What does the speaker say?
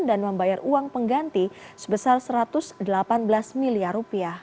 dan membayar uang pengganti sebesar rp satu ratus delapan belas miliar